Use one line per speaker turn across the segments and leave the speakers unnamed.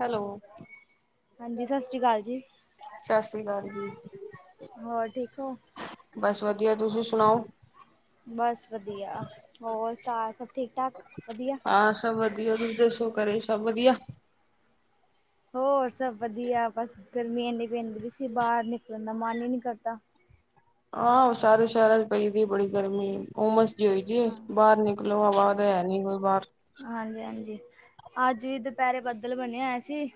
Hello,
ਹਾਂਜੀ ਸੱਤ ਸ਼੍ਰੀ ਆਕਾਲ ਜੀ।
ਸੱਤ ਸ਼੍ਰੀ ਆਕਾਲ ਜੀ,
ਹੋਰ ਠੀਕ ਹੋ?
ਬਸ ਵਧੀਆ ਤੁਸੀਂ ਸੁਣਾਓ?
ਬਸ ਵਧੀਆ, ਹੋਰ ਘਰ ਸਭ ਠੀਕ- ਠਾਕ ਵਧੀਆ?
ਹਾਂ ਸਭ ਵਧੀਆ ਤੁਹੀ ਦੱਸੋ ਘਰੇ ਸਭ ਵਧੀਆ?
ਹੋਰ ਸਭ ਵਧੀਆ ਬਸ ਗਰਮੀ ਏਨੀ ਪੈਂਦੀ- ਪੈਦੀ ਸੀ ਬਾਰ ਨਿਕਲਣ ਦਾ ਮਨ ਹੀ ਨਹੀਂ ਕਰਦਾ।
ਹਾਂ ਸਾਰੇ ਸੈ਼ਰਾ ਪਈ ਵੀ ਬੜੀ ਗਰਮੀ ਆ ਓ ਜੀ ਜੇ
ਹਾਂ,
ਬਾਰ ਨਿਕਲੋ ਹਵਾ ਤੇ ਹੈ ਨੀ ਕੋਈ ਬਾਰ
ਹਾਂਜੀ- ਹਾਂਜੀ ਅੱਜ ਵੀ ਦੁਪਹਿਰੇ ਬੱਦਲ ਬਣਿਆ ਹੋਇਆ ਸੀ।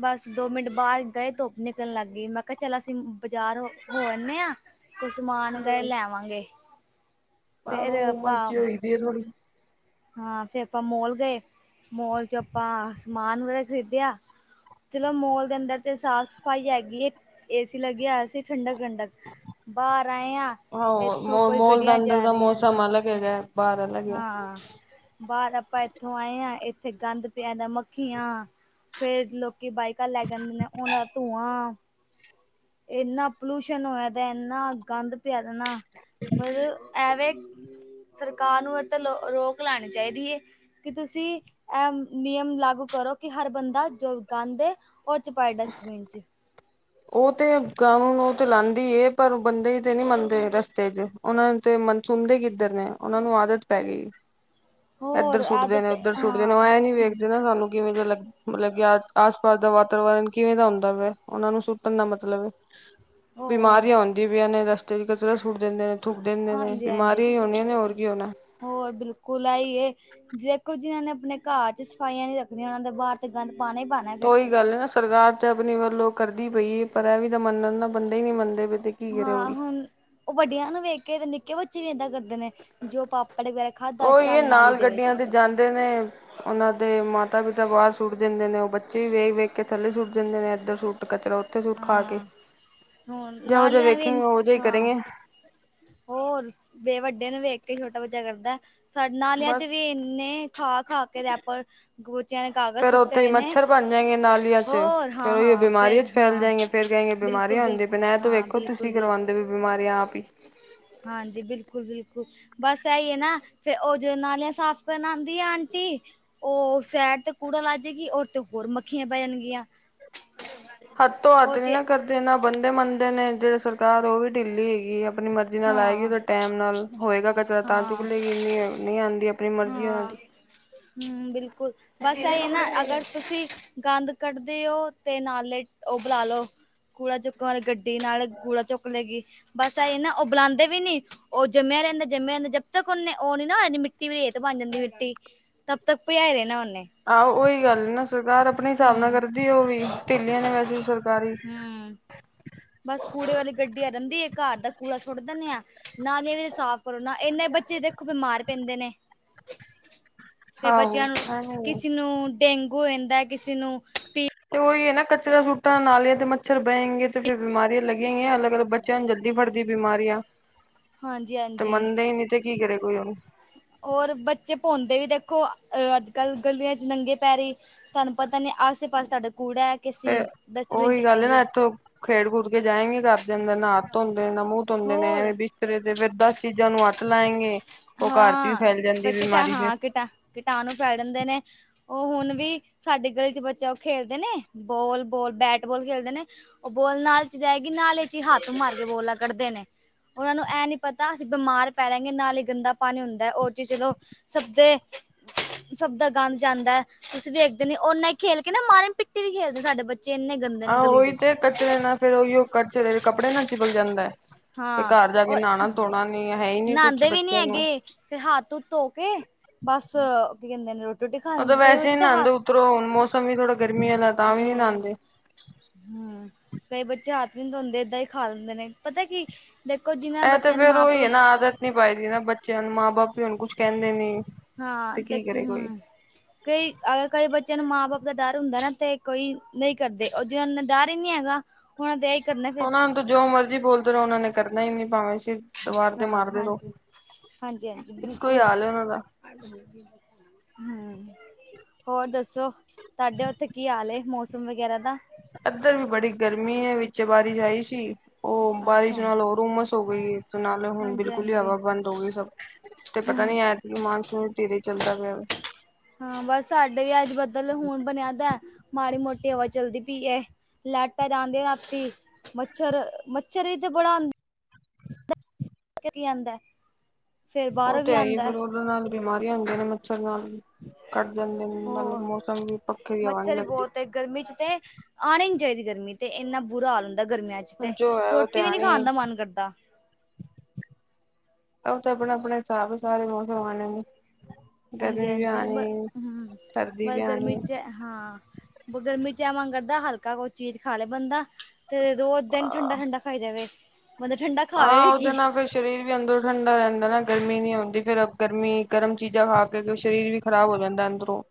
ਬਸ ਦੋ ਮਿੰਟ ਬਾਹਰ ਗਏ ਧੁੱਪ ਨਿਕਲਣ ਲੱਗ ਗਈ, ਮੈਂ ਕਿਹਾ ਚੱਲ ਅਸੀਂ ਬਾਜ਼ਾਰ ਹੋ -ਹੋ ਆਣੇ ਹਾਂ। ਕੋਈ ਸਮਾਨ ਵਗੈਰਾ ਲੈ‌ ਆਵਾਂਗੇ।
ਆਹੋ ਮਰਜ਼ੀ ਹੋਈ ਦੀ ਹੈ ਥੋੜ੍ਹੀ
ਹਾਂ ਫਿਰ ਆਪਾਂ ਮੋਲ ਗਏ ਮੋਲ ਚ ਆਪਾਂ ਸਮਾਨ ਵਗੈਰਾ ਖ਼ਰੀਦਿਆ। ਜਦੋਂ ਮੋਲ ਦੇ ਅੰਦਰ ਤੇ ਸਾਫ਼ ਸਫ਼ਾਈ ਹੈਗੀ ਹੈ, ਏਸੀ ਲੱਗਿਆ ਹੋਇਆ ਸੀ ਠੰਡਕ- ਠੰਡਕ। ਬਾਹਰ ਆਏ ਹਾਂ
ਆਹਾਂ ਮੋ ਮੋਲ ਦਾ ਅੰਦਰ ਦਾ ਮੌਸਮ ਅਲਗ ਹੈਗਾ। ਬਾਹਰ ਅਲੱਗ ਹੈ।
ਹਾਂ ਬਾਹਰ ਆਪਾਂ ਇੱਥੋਂ ਆਏ ਹਾਂ, ਇੱਥੇ ਗੰਦ ਪਿਆ ਦਾ ਮੱਖੀਆਂ। ਫੇਰ ਲੋਕੀ ਬਾਈਕਾਂ ਲੈ ਜਾਂਦੇ ਨੇ ਉਹਨਾਂ ਦਾ ਧੂੰਆਂ। ਇਨ੍ਹਾਂ ਪੋਲੂਸ਼ਨ ਹੋਇਆ ਦਾ ਇਨਾ ਗੰਦ ਪਿਆ ਦਾ ਨਾ ਪਰ ਐਵੇਂ। ਸਰਕਾਰ ਨੂੰ ਇਹ ਤੇ ਰੋਕ ਲਾਉਣੀ ਚਾਹੀਦੀ ਹੈ। ਕਿ ਤੁਸੀਂ ਇਹ ਨਿਯਮ ਲਾਗੂ ਕਰੋ, ਕਿ ਹਰ ਬੰਦਾ ਜੋ ਗੰਦ ਏ‌ ਉਹ ਚ ਪਾਏ ਡਸਟਬਿਨ ਚ
ਉਹ ਤੇ ਕਾਨੂੰਨ ਨੂੰ ਉਹ ਤੇ ਲਾਉਂਦੀ ਏ, ਪਰ ਬੰਦੇ ਤੇ ਨਹੀਂ ਮੰਨਦੇ ਰਸਤੇ ਚ ਉਹਨਾਂ ਤੇ ਮਨਸੁੰਦੇ ਕਿੱਧਰ ਨੇ ਉਹਨਾਂ ਨੂੰ ਆਦਤ ਪੈ ਗਈ।
ਹੋਰ
ਇੱਧਰ ਸੁੱਟਦੇ ਨੇ
ਆਦਤ
ਉੱਧਰ ਸੁੱਟਦੇ
ਹਾਂ
ਨੇ, ਉਹ ਐਂ ਨੀ ਵੇਖਦੇ ਨਾ ਸਾਨੂੰ ਕਿਵੇਂ ਦਾ ਮਤਲਬ ਕਿ ਆ ਆਸ ਪਾਸ ਦਾ ਵਾਤਾਵਰਨ ਕਿਵੇਂ ਦਾ ਹੁੰਦਾ ਵਾ ਉਹਨਾਂ ਨੂੰ ਸੁੱਟਣ ਦਾ ਮਤਲਬ।
ਹੋਰ
ਬਿਮਾਰੀਆਂ ਹੁੰਦੀਆਂ ਪਈਆਂ ਨੇ, ਰਸਤੇ 'ਚ ਕਚਰਾ ਸੁੱਟ ਦਿੰਦੇ ਨੇ। ਥੁੱਕ ਦਿੰਦੇ ਨੇ,
ਹਾਂਜੀ ਹਾਂਜੀ
ਬਿਮਾਰੀਆਂ ਹੀ ਹੋਣੀਆਂ ਨੇ ਹੋਰ ਕੀ ਹੋਣਾ‌।
ਹੋਰ ਬਿਲਕੁਲ ਏ। ਦੇਖੋ ਜਿਨਾਂ ਨੇ ਆਪਣੇ ਘਰ 'ਚ ਸਫਾਈਆਂ ਨੀ ਰੱਖਣੀਆਂ, ਉਹਨਾਂ ਤੇ ਬਾਹਰ ਤੇ ਗੰਦ ਪਾਣਾ ਹੀ ਪਾਣਾ‌।
ਤੋਂ ਉਹੀ ਗੱਲ ਹੈ ਨਾ, ਸਰਕਾਰ ਤੇ ਆਪਣੀ ਵੱਲੋਂ ਕਰਦੀ ਪਈ ਏ, ਪਰ ਇਹ ਵੀ ਤਾਂ ਮੰਨਣ ਨਾ, ਬੰਦੇ ਹੀ ਨਹੀਂ ਮੰਨਦੇ ਪਏ ਤੇ ਕੀ ਕਰੇ ਉਹ
ਹਾਂ
ਵੀ
ਹੁਣ, ਉਹ ਵੱਡਿਆ ਨੂੰ ਵੇਖ ਕੇ ਤੇ ਨਿੱਕੇ ਬੱਚੇ ਵੀ ਏਦਾਂ ਕਰਦੇ ਨੇ। ਜੋ ਪਾਪੜ ਵਗੈਰਾ ਖਾਧਾ,
ਉਹੀ ਇਹ
ਚੱਲ ਨਾਲੀ
ਨਾਲ
ਦੇ ਵਿੱਚ।
ਗੱਡੀਆਂ ਤੇ ਜਾਂਦੇ ਨੇ‌, ਉਹਨਾਂ ਦੇ ਮਾਤਾ- ਪਿਤਾ ਬਾਹਰ ਸੁੱਟ ਦਿੰਦੇ ਨੇ, ਉਹ ਬੱਚੇ ਵੀ ਵੇਖ- ਵੇਖ ਕੇ ਥੱਲੇ ਸੁੱਟ ਦਿੰਦੇ ਨੇ, ਇੱਧਰ ਸੁੱਟ ਕਚਰਾ ਉੱਧਰ ਸੁੱਟ ਤਾਂ ਖਾ ਕੇ,
ਹਾਂ ਹੁਣ
ਜਿਹੋ ਜਿਹਾ
ਨਾਲੀਆਂ ਵੀ
ਵੇਖੇਗੇ, ਉਹੋ ਜਿਹਾ ਹੀ
ਹਾਂ
ਕਰੇਗੇ‌‌।
ਹੋਰ, ਫੇਰ ਵੱਡੇ ਨੂੰ ਵੇਖ ਕੇ ਛੋਟਾ ਬੱਚਾ ਕਰਦਾ, ਸਾਡੇ ਨਾਲਿਆਂ
ਬਸ
'ਚ ਵੀ ਏਨੇ ਖਾ ਖਾ ਕੇ ਰੈਪਰ, ਬੱਚਿਆਂ ਨੇ ਕਾਗਜ਼
ਫੇਰ
ਸੁੱਟੇ
ਉੱਥੇ ਹੀ
ਹੋਏ ਨੇ,
ਮੱਛਰ ਬਣ ਜਾਏਂਗੇ ਨਾਲੀਆਂ ਚ
ਹੋਰ
ਫੇਰ
ਹਾਂ,
ਉਹੀ
ਹਾਂ
ਬਿਮਾਰੀਆਂ
ਫੇਰ।
ਚ
ਹਾਂ
ਫੈਲ ਜਾਏਂਗੇ ਫਿਰ ਕਹੇਗੇ ਬਿਮਾਰੀਆਂ ਹੁੰਦੀਆਂ ਪਈਆਂ
ਬਿਲਕੁਲ-ਬਿਲਕੁਲ
ਨੇ, ਇਹ ਤਾਂ
ਹਾਂ
ਵੇਖੋ ਤੁਸੀਂ
ਬਿਲਕੁਲ-ਬਿਲਕੁਲ
ਕਰਵਾਉਂਦੇ ਪਏ ਹੋ ਬਿਮਾਰੀਆਂ ਆਪ ਹੀ।
ਹਾਂਜੀ। ਬਿਲਕੁਲ, ਬਿਲਕੁਲ ਬਸ ਏਹੀ ਹੈ ਨਾ, ਫਿਰ ਉਹ ਜੋ ਨਾਲੀਆ ਸਾਫ਼ ਕਰਨ ਆਂਦੀ ਏ ਅੰਟੀ, ਉਹ ਸੈਡ ਤੇ ਕੂੜਾ ਲਾ ਜੇਗੀ ਔਰ ਤੇ ਹੋਰ ਮੱਖੀਆਂ ਬਹਿ ਜਾਣਗੀਆਂ।
ਹੱਥ ਤੋਂ ਹੱਥ
ਉਹ
ਨੀ
ਚ
ਨਾ ਕਰਦੇ, ਇਹ ਨਾ ਬੰਦੇ ਮੰਨਦੇ ਨੇ, ਜਿਹੜੇ ਸਰਕਾਰ ਉਹ ਵੀ ਢਿੱਲੀ ਹੈਗੀ, ਆਪਣੀ ਮਰ ਜ਼ੀ ਨਾਲ ਆਏਗੀ, ਫਿਰ ਟਾਈਮ ਨਾਲ ਹੋਏਗਾ ਕਚਰਾ ਤਾਂ ਚੁੱਕ
ਹਾਂ-ਹਾਂ-ਹਾਂ
ਲੇਗੀ, ਨਹੀਂ ਆਂਦੀ ਆਪਣੀ ਮਰਜ਼ੀ ਉਹਨਾਂ ਦੀ।
ਹੂੰ, ਬਿਲਕੁਲ। ਬਸ ਇਹੀ ਐ ਨਾ, ਅਗਰ ਤੁਸੀਂ ਗੰਦ‌ ਕੱਢਦੇ ਓ ਤੇ ਨਾਲੇ ਉਹ ਬੁਲਾ ਲੋ ਕੂੜਾ ਚੁੱਕਣ ਵਾਲੀ ਗ ਡੀ ਨਾਲੇ ਗੂੜਾ ਚੁੱਕ ਲਏਗੀ, ਬਸ ਏਹੀ ਨਾ ਉਹ ਬੁਲਾਂਦੇ ਵੀ ਨਹੀਂ। ਉਹ ਜੰਮਿਆ ਰਹਿੰਦਾ, ਜੰਮਿਆ ਰਹਿੰਦਾ, ਜਦ ਤੱਕ ਉਹਨੇ ਉਹ ਨਹੀਂ ਨਾ ਉਹ ਹੋ ਜਾਂਦੀ ਮਿੱਟੀ ਵੀ ਰੇਤ ਬਣ ਜਾਂਦੀ ਮਿੱਟੀ। ਤਬ ਤੱਕ ਪਿਆ ਰਹਿਣਾ ਉਹਨੇ‌।
ਆਹੋ ਉਹੀ ਗੱਲ ਨਾ ਸਰਕਾਰ ਆਪਣੇ ਹਿਸਾਬ ਨਾਲ
ਹੂੰ
ਕਰਦੀ ਏ, ਉਹ ਵੀ ਢਿੱਲੀਆਂ ਨੇ ਵੈਸੇ ਵੀ ਸਰਕਾਰ ਵੀ।
ਹੂੰ ਬਸ ਕੂੜੇ ਵਾਲੀ ਗੱਡੀ ਆ ਰਹਿੰਦੀ ਏ, ਘਰ ਦਾ ਕੂੜਾ ਸੁੱਟ ਦਿੰਦੇ ਆ। ਨਾਲੀਆਂ ਵੀ ਤੇ ਸਾਫ਼ ਕਰੋ ਨਾ, ਇੰਨੇ ਬੱਚੇ ਦੇਖੋ ਬਿਮਾਰ ਪੈਂਦੇ ਨੇ। ਤੇ
ਆਹੋ
ਬੱਚਿਆਂ ਨੂੰ,
ਐਵੇਂ ਹੀ ਹੈ।
ਕਿਸੇ ਨੂੰ ਡੇਂਗੂ ਹੋ ਜਾਂਦਾ, ਕਿਸੇ ਨੂੰ ਪੀ
ਤੇ ਉਹੀ ਹੈ ਨਾ ਕਚਰਾ ਸੁੱਟਣ ਨਾਲੀਆਂ ਤੇ ਮੱਛਰ ਬਹਿਗੇ ਤੇ ਫੇਰ ਬਿਮਾਰੀਆਂ ਲਗ ਲੱਗਣਗੀਆਂ ਅਲੱਗ-ਅਲੱਗ ਬੱਚਿਆਂ ਨੂੰ ਜਲਦੀ ਫੜਦੀਆਂ ਬਿਮਾਰੀਆਂ
ਹਾਂਜੀ
ਤੇ
ਹਾਂਜੀ
ਮੰਨਦੇ ਹੀ ਨਹੀਂ। ਤੇ ਕੀ ਕਰੇ ਕੋਈ ਹੁਣ।
ਔਰ ਬੱਚੇ ਘੁੰਮਦੇ ਵੀ ਦੇਖੋ, ਅੱਜ- ਕੱਲ ਗਲੀਆਂ 'ਚ ਨੰਗੇ ਪੈਰੀਂ। ਤੁਹਾਨੂੰ ਪਤਾ ਨਹੀਂ ਆਸੇ -ਪਾਸੇ ਸਾਡਾ ਕੂੜਾ ਏ ਕੇ ਅਸੀਂ
ਫੇਰ
ਡਸਟਬਿਨ 'ਚ
ਉਹੀ ਗੱਲ ਨਾ
ਪਾਈਏ।
ਇੱਥੋਂ ਖੇਡ ਖੂਡ ਕੇ ਜਾਏਗੇ, ਘਰੇ ਦੇ ਅੰਦਰ ਨਾ ਹੱਥ ਧੋਂਦੇ, ਨਾ ਮੂੰਹ ਧੋਂਦੇ ਨੇ
ਹੋਰ
ਐਵੇਂ ਇਸਰੇ ਦੇ ਫੇਰ ਦਸ ਚੀਜ਼ਾਂ ਨੂੰ ਹੱਥ ਲਾਏਂਗੇ, ਉਹ ਘਰ ਚ ਵੀ ਫੈਲ ਜਾਂਦੀ ਬਿਮਾਰੀ ਫਿਰ।
ਕੀਟਾਣੂੰ ਫੈਲ ਜਾਂਦੇ ਨੇ। ਉਹ ਹੁਣ ਵੀ ਸਾਡੇ ਗਲੀ ਚ ਬੱਚਾ ਉਹ ਖੇਲਦੇ ਨੇ। ਬੋਲ, ਬੋਲ, ਬੈਟ ਬੋਲ ਖੇਲਦੇ ਨੇ ਉਹ ਬੋਲ ਨਾਲੇ ਚ ਜਾਏਗੀ, ਨਾਲੇ ਚ ਹੀ ਹੱਥ ਮਾਰ ਕੇ ਬੋਲਾ ਕੱਢਦੇ ਨੇ। ਉਹਨਾਂ ਨੂੰ ਇਹ ਨੀ ਪਤਾ ਅਸੀਂ ਬਿਮਾਰ ਪੈ ਰਹਾਂਗੇ ਨਾਲ ਹੀ ਗੰਦਾ ਪਾਣੀ ਹੁੰਦਾ ਏ, ਓ ਚੀਜ਼ ਚਲੋ ਸਭ ਦੇ ਸਭ ਦਾ ਗੰਦ ਜਾਂਦਾ, ਤੁਸੀਂ ਵੇਖਦੇ ਨੀ ਓਨਾ ਹੀ ਖੇਲ ਕੇ ਨਾ ਮਾਰਨ ਪਿੱਟੀ ਵੀ ਖੇਲਦੇ, ਸਾਡੇ ਬੱਚੇ ਇੰਨੇ ਗੰਦੇ ਨੇ
ਆਹ
ਗਲੀ
ਉਹੀ
ਦੇ
ਤੇ ਕਚਰੇ ਨਾਲ ਫਿਰ ਓਹੀਓ ਕਚਰੇ ਕੱਪੜੇ ਨਾ ਚਿਪਕ ਜਾਂਦਾ ਹੈ। ਤੇ
ਹਾਂ।
ਘਰ ਜਾ ਕੇ
ਔਰ,
ਨਹਾਣਾ ਧੋਣਾ ਨੀ ਹੈ ਹੀ ਨੀ ਕੁੱਛ
ਨਾਂਦੇ ਵੀ ਨੀ
ਬੱਚਿਆਂ ਨੂੰ
ਹੈਗੇ, ਫੇਰ ਹੱਥ ਹੁਥ ਧੋ ਕੇ ਬਸ ਕੀ ਕਹਿੰਦੇ ਨੇ, ਰੋਟੀ-ਰੋਟੀ ਖਾ ਲੈਣਗੇ, ਕਈ ਬੱਚੇ ਤੇ ਹੱਥ
ਓਤਰੋਂ ਮੌਸਮ ਵੀ ਥੋੜ੍ਹਾ ਗਰਮੀ ਵਾਲਾ ਹੈ, ਤਾਂ ਵੀ ਨਹੀਂ ਨਾਂਦੇ।
ਹੂ, ਕਈ ਬੱਚੇ ਹੱਥ ਵੀ ਨੀ ਧੋਂਦੇ ਇੱਦਾਂ ਹੀ ਖਾ ਲੈਂਦੇ ਨੇ, ਪਤਾ ਹੈ ਕੀ, ਦੇਖੋ, ਜਿਨ੍ਹਾਂ ਬੱਚਿਆਂ ਨੂੰ ਮਾਂ-ਪਿਓ
ਕੁਟ ਨੀ ਪਾਈਦਾ ਬੱਚਿਆਂ ਨੂੰ ਮਾਂ-ਬਾਪ ਵੀ ਹੁਣ ਕੁਛ ਕਹਿੰਦੇ ਨੀ
ਹਾਂ, ਤੇ
ਕੀ ਕਰੇ ਕੋਈ
ਹਮ। ਕਈ ਅ ਕਈ ਬੱਚਿਆਂ ਨੂੰ ਮਾਂ ਬਾਪ ਦਾ ਡਰ ਹੁੰਦਾ ਨਾ, ਤੇ ਕੋਈ ਨਹੀਂ ਕਰਦੇ। ਉਹ ਜਿਨ੍ਹਾਂ ਨੂੰ ਡਰ ਹੀ ਨੀ ਹੈਗਾ ਹੁਣ ਇਹਦਾ ਹੀ ਕਰਨਾ ਫੇਰ।
ਤੂੰ ਜੋ ਮਰਜ਼ੀ ਬੋਲਦੇ ਰਹੋ, ਉਨ੍ਹਾਂ ਨੇ ਕਰਨਾ ਹੀ ਨੀ ਭਾਂਵੇ ਸਿਰ ਦੀਵਾਰ ਤੇ
ਹਾਂ
ਮਾਰਦੇ ਰਹੋ,
ਹਾਂਜੀ
ਇੱਕੋ ਹਾਲ ਹੈ ਉਨ੍ਹਾਂ ਦਾ।
ਅੱਛਾ ਜੀ ਹਮ ਹੋਰ ਦੱਸੋ, ਤੁਹਾਡੇ ਉੱਥੇ ਕੀ ਹਾਲ ਹੈ ਮੌਸਮ ਵਗੈਰਾ ਦਾ?
ਏਧਰ ਵੀ ਬੜੀ ਗਰਮੀ ਹੈ। ਵਿੱਚ ਬਾਰਿਸ਼ ਆਈ ਸੀ, ਉਹ
ਅੱਛਾ
ਬਾਰਿਸ਼ ਨਾਲ ਉਹ ਉਮਸ ਹੋ ਗਈ ਏ ਤੇ ਨਾਲੇ ਹੁਣ
ਹਾਂਜੀ
ਬਿਲਕੁਲ ਹੀ
ਹਾਂਜੀ
ਹਵਾ ਬੰਦ ਹੋ ਗਈ ਸਭ। ਤੇ ਪਤਾ
ਹਮ
ਨੀ, ਐਦਕੀ ਮਾਨਸੂਨ ਧੀਰੇ ਚੱਲਦਾ ਪਿਆ।
ਹਾਂ ਬਸ, ਸਾਡੇ ਵੀ ਅੱਜ ਬੱਦਲ ਹੁਣ ਬਣਿਆਦਾ। ਮਾੜੀ ਮੋਟੀ ਹਵਾ ਚੱਲਦੀ ਪਈ ਏ। ਲੈਟਾਂ ਜਾਂਦੀਆਂ ਰਾਤੀ, ਮੱਛਰ, ਮੱਛਰ ਵੀ ਤੇ ਬੜਾ
[inaudible]
ਕੀ ਆਂਦਾ, ਫੇਰ
ਉਹ
ਬਾਹਰੋਂ ਵੀ
ਤੇ ਹੈ ਹੀ
ਆਂਦਾ।
ਫਿਰ ਉਹਦੇ ਨਾਲ ਬਿਮਾਰੀਆਂ ਹੁੰਦੀਆਂ ਨੇ ਮੱਛਰ ਨਾਲ ਵੀ, ਕੱਟ ਜਾਂਦੇ ਨੇ। ਨਾਲੋਂ
ਹੋਰ
ਮੌਸਮ ਵੀ, ਪੱਖੇ ਦੀ ਹਵਾ ਨੀ
ਮੱਛਰ
ਲੱਗਦੀ।
ਬਹੁਤ ਹੈ ਗਰਮੀ 'ਚ ਤੇ ਆਣੀ ਨੀ ਚਾਹੀਦੀ ਗਰਮੀ, ਤੇ ਇੰਨਾ ਬੁਰਾ ਹਾਲ ਹੁੰਦਾ ਗਰਮੀਆਂ 'ਚ। ਵਿੱਚ
ਜੋ
ਤੇ
ਹੈ ਉਹ
ਰੋਟੀ ਵੀ ਨੀ
ਆਣੀ
ਖਾਣ ਦਾ ਮਨ ਕਰਦਾ।
ਉਹ ਤੇ, ਆਪਣਾ -ਆਪਣਾ ਹਿਸਾਬ, ਸਾਰੇ ਮੌਸਮ ਆਣੇ ਨੇ।
ਹਾਂਜੀ,
ਗਰਮੀ ਵੀ
ਹਾਂਜੀ। ਬ
ਆਣੀ ਸਰਦੀ
ਬਸ
ਵੀ ਆਣੀ
ਗਰਮੀ 'ਚ ਹਾਂ ਬੱਸ ਗਰਮੀ 'ਚ ਆ ਮੰਨ ਕਰਦਾ, ਹਲਕਾ ਕੋਈ ਚੀਜ਼ ਖਾ ਲੇ ਬੰਦਾ ਤੇ ਰੋਜ ਦਿਨ
ਆ
ਠੰਡਾ- ਠੰਡਾ ਖਾਈ ਜਾਵੇ। ਮਤਲਬ ਠੰਡਾ ਖਾਵੇ
ਹਾਂ,
ਵੀ
ਉਹਦੇ
ਕੀ
ਨਾਲ ਫਿਰ ਸ਼ਰੀਰ ਵੀ ਅੰਦਰੋਂ ਠੰਡਾ ਰਹਿੰਦਾ ਨਾ, ਗਰਮੀ ਨੀ ਹੁੰਦੀ। ਫਿਰ ਗਰਮੀ, ਗਰਮ ਚੀਜ਼ਾਂ ਖਾ ਕੇ ਸ਼ਰੀਰ ਖਰਾਬ ਹੋ ਜਾਂਦਾ ਅੰਦਰੋਂ।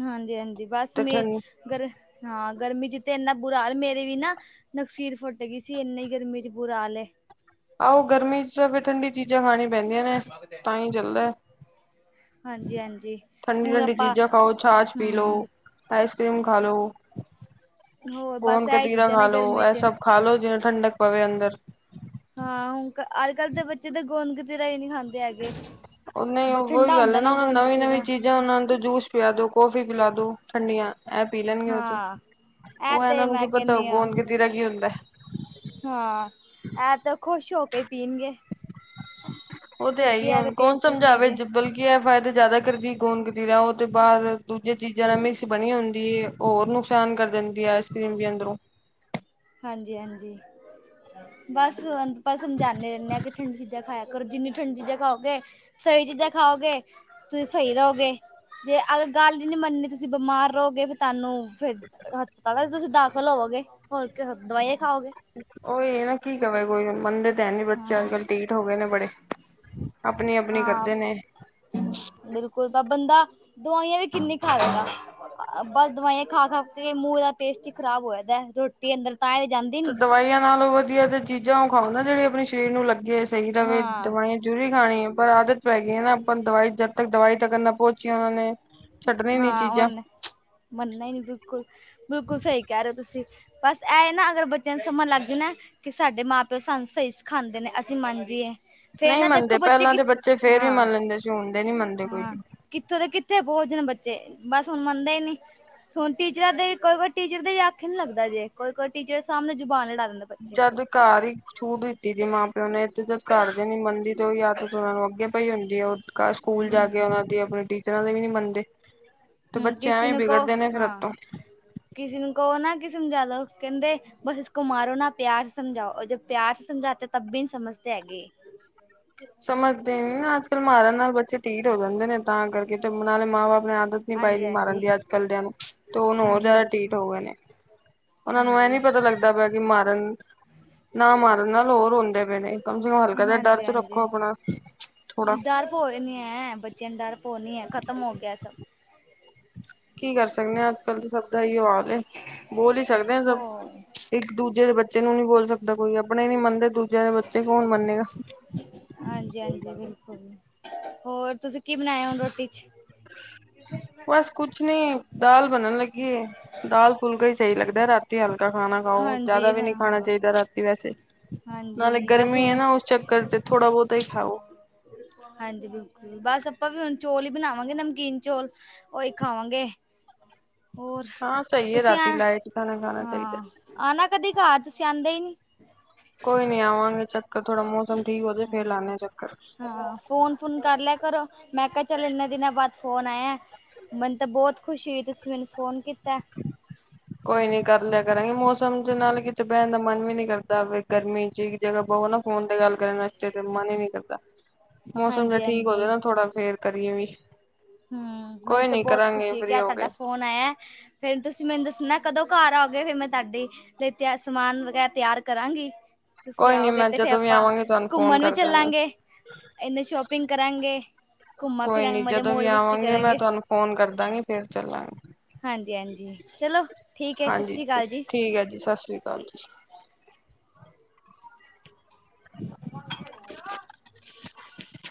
ਹਾਂਜੀ, ਹਾਂਜੀ। ਬਸ
ਤੇ
ਮੇ
ਠੰ
ਗਰ ਹਾਂ, ਗਰਮੀ 'ਚ ਤੇ ਇੰਨਾ ਬੁਰਾ ਹਾਲ ਮੇਰੇ ਵੀ ਨਾ ਨਕਸੀਰ ਫੁੱਟ ਗਈ ਸੀ, ਇੰਨੀ ਗਰਮੀ 'ਚ ਬੁਰਾ ਹਾਲ ਏ।
ਆਹੋ, ਗਰਮੀ 'ਚ ਤਾਂ ਫਿਰ ਠੰਡੀ ਚੀਜ਼ਾਂ ਖਾਣੀ ਪੈਂਦੀਆਂ ਨੇ, ਤਾਂ ਹੀ ਚੱਲਦਾ
ਹਾਂਜੀ-ਹਾਂਜੀ
ਠੰਡੀ,
ਹੁਣ
ਠੰਡੀ
ਆਪਾਂ
ਚੀਜ਼ਾਂ ਖਾਓ, ਛਾਛ ਪੀ
ਹੂੰ
ਲਓ ਆਈਸ ਕਰ੍ਰੀਮ ਖਾ ਲਓ,
ਹੋਰ
ਗੋਨ
ਬਸ ਇਹੀ
ਗਤੀਰਾ
ਚੀਜ਼ਾਂ
ਖਾ
ਨੇ
ਲਓ।
ਗਰਮੀ
ਇਹ
ਚ
ਸਭ ਖਾ ਲਓ ਜਿਨਾਂ ਠੰਡਕ ਪਵੇ ਅੰਦਰ।
ਹਾਂ। ਹੁੰ ਅੱਜ- ਕੱਲ੍ਹ ਦੇ ਬੱਚੇ ਤਾਂ ਗੁੰਦ ਗਤੀਰਾ ਹੀ ਨਹੀਂ ਖਾਂਦੇ ਹੈਗੇ।
ਉਹ ਨਹੀਂ ਉਹੀ
ਠੰਡਾ
ਗੱਲ
ਹੁੰਦਾ
ਹੈ ਨਾ, ਉਹ
ਗੋਂਦ
ਨਵੀਂ- ਨਵੀਂ
ਕਤੀਰਾ
ਚੀਜ਼ਾਂ ਉਹਨਾਂ ਨੂੰ ਜੂਸ ਪਿਲਾ ਦੋ, ਕੌਫੀ ਪਿਲਾ ਦੋ ਠੰਡੀਆਂ। ਐ ਪੀ ਲੈਣਗੇ ਬੱਚੇ।
ਹਾਂ, ਇਹ
ਉਹ
ਤੇ
ਇਹਨਾਂ ਨੂੰ ਕੀ
ਮੈਂ
ਪਤਾ
ਕਹਿੰਦੀ ਹਾਂ
ਗੋਂਦ ਗਤੀਰਾ ਕੀ ਹੁੰਦਾ?
ਹਾਂ। ਐ ਤੇ ਖੁਸ਼ ਹੋ ਕੇ ਪੀਣਗੇ।
ਉਹ ਤੇ ਹੈ
ਕਿਉਂਕਿ
ਹੀ ਏ
ਇਹ
ਹੁਣ,
ਤਾਂ
ਕੌਣ
ਟੇਸਟੀ ਚੀਜ਼
ਸਮਝਾਵੇ
ਏ।
ਕੀ ਹੈ ਫਾਇਦਾ ਜ਼ਿਆਦਾ ਕਰਦੀ ਗੌਦ ਕਤੀਰਾ ਉਹ ਤੇ ਬਾਹਰ ਦੂਜਿਆ ਚੀਜ਼ਾਂ ਨਾਲ ਮਿਕਸ ਬਣੀ ਹੁੰਦੀ ਔਰ ਨੁਕਸਾਨ ਕਰ ਦਿੰਦੀ ਆ ਆਈਸ ਕਰ੍ਰੀਮ ਵੀ ਅੰਦਰੋਂ
ਹਾਂਜੀ- ਹਾਂਜੀ ਬਸ ਆਪਾਂ ਸਮਝਾਉਦੇ ਰਹਿੰਦੇ ਕਿ ਠੰਡੀ ਚੀਜ਼ਾਂ ਕਰੋ ਜਿੰਨੀ ਠੰਡੀ ਚੀਜ਼ਾਂ ਖਾਓਗੇ, ਸਹੀ ਚੀਜ਼ਾਂ ਖਾਓਗੇ, ਤੁਸੀਂ ਸਹੀ ਰਹੋਗੇ ਜੇ ਅਗਰ ਗੱਲ ਹੀ ਨੀ ਮੰਨਨੀ ਤੁਸੀਂ ਬਿਮਾਰ ਰਹੋਗੇ ਫਿਰ ਤੁਹਾਨੂੰ ਫੇਰ ਹਸਪਤਾਲਾਂ 'ਚ ਤੁਸੀਂ ਦਾਖਲ ਹੋਵੋਗੇ, ਹੋਰ ਕਿ ਦਵਾਈਆਂ ਖਾਓਗੇ
ਉਹੀ ਨਾ ਕੀ ਕਵੇ ਕੋਈ ਮੰਨਦੇ ਤਾਂ ਹੈ ਨੀ ਬੱਚੇ
ਹਾਂ
ਅੱਜ ਕੱਲ ਠੀਠ ਹੋ ਗਏ ਨੇ ਬੜੇ ਆਪਣੀ -ਆਪਣੀ
ਹਾਂ
ਕਰਦੇ ਨੇ
ਬਿਲਕੁਲ ਤਾਂ ਬੰਦਾ ਦਵਾਈਆਂ ਵੀ ਕਿੰਨੀ ਖਾਵੇਗਾ। ਬਸ ਦਵਾਈਆਂ ਖਾ-ਖਾ ਕੇ ਮੂੰਹ ਦਾ ਟੇਸਟ ਈ ਖਰਾਬ ਹੋ ਜਾਂਦਾ। ਦੀ ਅੰਦਰ ਤਾਂਏ ਜਾ
ਤੇ ਦਵਾਈਆਂ ਨਾਲੋਂ ਵਦੀਆ ਤੇ ਚੀਜ਼ਾਂ ਓ ਖਾਓ ਨਾ ਜੇੜੇ ਆਪਨੇ ਸਰੀਰ ਨੂੰ ਲੱਗੇ ਸਈ ਰਵੇ
ਹਾਂ
ਦਵਾਈਆਂ ਜ਼ਰੂਰੀ ਖਾਨੀ ਐ ਪਰ ਆਦਤ ਪੈ ਗਈ ਐ ਨਾ ਆਪਾਂ ਨੂੰ ਦਵਾਈ ਜਦ ਤੱਕ ਦਵਾਈ ਤੱਕ ਨਾ ਪੌਂਚੀ ਓਨਾਂ ਨੇ ਛੱਡਣੀ ਨੀ
ਹਾਂ ਓਨਾਂ
ਚੀਜ਼ਾਂ
ਨੇ ਮੰਨਨਾ ਈ ਨਈਂ ਬਿਲਕੁਲ, ਬਿਲਕੁਲ ਸਈ ਕੈ ਰਏਂ ਓਂ ਤੁਸੀਂ। ਬਸ ਐ ਨਾ ਅਗਰ ਬੱਚਿਆਂ ਨੂੰ ਸਮਝ ਲੱਗ ਗਈ ਨਾ ਕੇ ਸਾਡੇ ਮਾਂ-ਪਿਓ ਸਾਨੂੰ ਸਈ ਸਿਖਾਂਦੇ ਨੇ ਅਸੀਂ ਮੰਨਜੀਏ। ਫੇਰ
ਨਹੀਂ
ਨਾ
ਮੰਨਦੇ
ਦੇਖੋ ਬੱਚੇ
ਪਹਿਲਾਂ
ਕਿ
ਦੇ ਬੱਚੇ ਫੇਰ ਵੀ ਮੰਨ ਲੈਂਦੇ ਸੀ ਹੁਣ ਦੇ ਨੀ ਮੰਨਦੇ ਕੋਈ
ਹਾਂ-ਹਾਂ ਕਿੱਥੋਂ ਦੇ ਕਿੱਥੇ ਪੋਂਚ ਜਾਨ ਬੱਚੇ ਬਸ ਹੁਨ ਮੰਨਦੇ ਈ ਨੀ। ਹੁਨ ਟੀਚਰਾਂ ਦੇ ਕੋਈ-ਕੋਈ ਟੀਚਰ ਦੇ ਵੀ ਆਖੇ ਨੀ ਲੱਗਦਾ ਜੇ ਕੋਈ-ਕੋਈ ਟੀਚਰ ਸਾਮਣੇ ਜੁਬਾਨ ਲੜਾ ਦਿੰਦਾ।
ਜਦ ਘਰ ਈ ਇਕ ਛੂਟ ਤੀ ਦੀ ਮਾਂ-ਪਿਓ ਨੇ ਏਥੇ ਤੇ ਘਰਦੇ ਨੀ ਮੰੰਨਦੀ ਤੇ ਓਈ ਆਦਤ ਓਨਾਂ ਨੂੰ ਅੱਗੇ ਪਈ ਹੁੰਦੀ ਐ। ਘਰ ਸਕੂਲ ਜਾ ਕੇ
ਹੂੰ,
ਓਨਾਂ ਦੀ ਆਪਨੇ ਟੀਚਰਾਂ ਦੇ ਵੀ ਨੀ ਮੰਨਦੇ। ਤੇ
ਹੂੰ
ਬੱਚੇ ਐਵੇਂ ਵਿਗੜਦੇ ਨੇ ਫਿਰ ਅੱਤੋਂ।
ਕਿਸੀ ਨੂੰ ਕਓ ਨਾ ਕੇ ਸਮਝਾ ਲੋ ਕੈਂਦੇ ਬਸ ਇਸਕੋ ਮਾਰੋ ਨਾ ਪਿਆਰ ਸੇ ਸਮਝਾਓ ਜਬ ਪਿਆਰ ਸੇ ਸਮਝਾਤੇ ਤਬ ਵੀ ਨੀ ਸਮਝਤੇ ਹੈਗੇ।
ਸਮਝਦੇ ਨੀ ਨਾ ਅੱਜ-ਕੱਲ ਮਾਰਨ ਨਾਲ ਬੱਚੇ ਢੀਠ ਹੋ ਜਾਂਦੇ ਨੇ ਤਾਂ ਕਰਕੇ ਤੇ ਨਾਲੇ ਮਾਂ ਬਾਪ ਨੇ ਆਦਤ ਨੀ ਪਾਈ
ਹਾਂਜੀ
ਦੀ
ਹਾਂਜੀ
ਮਾਰਨ ਦੀ ਅੱਜ-ਕੱਲ ਦਿਆਂ ਨੂੰ, ਤੇ ਹੁਨ ਹੋਰ
ਹੂੰ
ਜ਼ਾਦਾ
ਬਿਲਕੁਲ
ਢੀਠ ਹੋ ਗਏ ਨੇ। ਓਨਾਂ ਨੂੰ ਐ
ਹਾਂਜੀ
ਨੀ ਪਤਾ ਲੱਗ ਪਿਆ ਕੇ ਮਾਰਨ ਨਾ ਮਾਰਨ ਨਾਲ ਹੋਰ ਹੁੰਦੇ ਪਏ ਨੇ ਕਮ ਸੇ ਕਮ ਹਲਕਾ ਦਾ ਡਰ
ਹਾਂਜੀ
ਤੋ ਰੱ
ਡਰ ਭੌ ਨੀ ਐ ਬੱਚਿਆਂ ਨੂੰ ਡਰ ਭੌ ਨੀ ਐ ਖਤਮ ਹੋ ਗੇਆ ਸਬ।
ਕੀ ਕਰ ਸਕਦੇ ਆਂ ਅੱਜ-ਕੱਲ ਤਾਂ ਸਬ ਦਾ ਏਈਓ ਹਾਲ ਏ ਬੋਲ ਈ ਸਕਦੇ ਆਂ
ਹੋ
ਸਬ। ਇੱਕ ਦੂਜੇ ਦੇ ਬੱਚੇ ਨੂੰ ਨੀ ਬੋਲ ਸਕਦਾ ਕੋਈ ਆਪਨੇ ਨੀ ਮੰਨਦੇ ਦੂਜਿਆਂ ਦੇ ਬੱਚੇ ਕੌਨ ਮੰਨੇਗਾ।
ਹਾਂਜੀ-ਹਾਂਜੀ ਬਿਲਕੁਲ, ਹੋਰ ਤੁਸੀਂ ਕੀ ਬਨਾਏਆ ਹੁਨ ਰੋਟੀ ਚ।
ਬਸ ਕੁਛ ਨੀ ਦਾਲ ਬਨਨ ਲੱਗੀਏ ਦਾਲ ਫੁਲਕਾ ਈ ਸਈ ਲੱਗਦਾ ਰਾਤੀ। ਤੇ ਹਲਕਾ ਖਾਨਾ ਖਾਓ ਜ਼ਾਦਾ
ਹਾਂਜੀ
ਵੀ
ਹਾਂ
ਨਈਂ
ਹਾਂ
ਖਾਨਾ ਚਾਈਦਾ ਰਾਤੀ ਵੈਸੇ
ਹਾਂਜੀ
ਨਾਲੇ
ਬਸ
ਗਰਮੀ
ਹੁਣ
ਐ ਨਾ ਉਸ ਚੱਕਰ ਤੇ ਥੋੜਾ ਬੋਤਾ ਈ ਖਾਓ।
ਹਾਂਜੀ ਬਿਲਕੁਲ, ਬਸ ਆਪਾਂ ਵੀ ਹੁਨ ਚੋਲ ਹੀ ਬਨਾਵਾਂਗੇ ਨਮਕੀਨ ਚੋਲ। ਓਈ ਖਾਵਾਂਗੇ, ਹੋਰ
ਹਾਂ ਸਹੀ ਹੈ
ਤੁਸੀਂ
ਰਾਤੀ
ਆਂ
ਲਾਈਟ ਖਾਣਾ ਖਾਣਾ ਚਾਹੀਦਾ
ਹਾਂ ਆਨਾ ਕਦੀ ਘਰ ਤੁਸੀਂ ਆਂਦੇ ਈ ਨੀ।
ਕੋਈ ਨੀ ਆਂਵਾਂਗੇ ਚੱਕਰ ਥੋੜਾ ਮੌਸਮ ਠੀਕ ਹੋਜੇ
ਹਾਂ
ਫੇਰ ਲਾਂਨੇ ਆਂ ਚੱਕ
ਹਾਂ ਫੋਨ ਫੂਨ ਕਰ ਲੇਆ ਕਰੋ, ਮੈਂ ਕਿਆ ਚੱਲ ਏਨੇ ਦਿਨਾਂ ਬਾਦ ਫੋਨ ਆਏਆ। ਮੈਨੂ ਤਾ ਬੋਤ ਖੁਸ਼ੀ ਹੋਈ ਤੁਸੀਂ ਮੈਨੂੰ ਫੋਨ ਕੀਤੈ।
ਕੋਈ ਨੀ ਕਰ ਲਿਆ ਕਰਾਂਗੀ ਮੌਸਮ ਚ ਨਾਲ ਕਿਤੇ ਬੈਨ ਦਾ ਮਨ ਵੀ ਨੀ ਕਰਦਾ ਹੋਵੇ ਗਰਮੀ ਚ ਈ ਜੇਹਾ ਬਵੋ ਨਾ ਫੋਨ ਤੇ ਗੱਲ ਕਰਨ ਆਸਤੇ ਤੇ ਮਨ ਈ ਨੀ ਕਰਦਾ। ਮੌਸਮ ਜਾ
ਹਾਂਜੀ
ਠੀਕ
ਹਾਂਜੀ
ਹੋਜੇ ਨਾ ਥੋੜਾ ਫੇਰ ਕਰੀਏ ਵੀ।
ਹੂੰ,
ਕੋਈ
ਮੈਨੂੰ ਤੇ
ਨੀ
ਬੋਤ
ਕਰਾਂਗੇ
ਖੁਸ਼ੀ ਹੋਈ ਕੇ
ਫ੍ਰਰੀ
ਅੱਜ
ਹੋ
ਤਾਡਾ ਫੋਨ ਆਏਆ। ਫੇਰ ਤੁਸੀਂ ਮੈਨੂੰ ਦੱਸਨਾ ਕਦੋਂ ਘਰ ਆਓਗੇ ਫੇਰ ਮੈਂ ਤਾਡੇ ਲਈ ਤਿਆ ਸਮਾਨ ਵਗੈਰਾ ਤਿਆਰ ਕਰਾਂਗੀ। ਤੁਸੀਂ
ਕੋਈ ਨੀ
ਆਓਗੇ
ਮੈਂ
ਤੇ ਫੇਰ
ਜਦੋਂ ਵੀ
ਆਪਾਂ
ਆਵਾਂਗੀ ਤੁਹਾਨੂੰ ਫੋਨ
ਘੁੰਮਨ ਵੀ
ਕਰ ਦਾਂਗੀ।
ਚੱਲਾਂਗੇ, ਏਨੇ ਸ਼ੋਪਿੰਗ ਕਰਾਂਗੇ। ਘੁੰਮਾਂ ਫਿਰਾਂਗੇ ਮਜ਼ੇ ਮੋਜ਼ ਮਸ
ਆਊਂਗੀ ਮੈਂ ਤੁਆਨੂੰ ਫੋਨ ਕਰਦਾਂਗੀ ਫੇਰ ਚੱਲਾਂਗੇ।
ਹਾਂਜੀ-ਹਾਂਜੀ, ਚਲੋ ਠੀਕ ਹੈ ਸਤਿ
ਹਾਂਜੀ
ਸ਼੍ਰੀ ਅਕਾਲ ਜੀ
ਠੀਕ ਐ ਜੀ ਸਸ ਰੀ ਕਾਲ ਜੀ।
[inaudible]